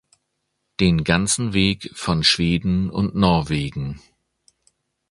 Den ganzen Weg von Schweden und Norwegen.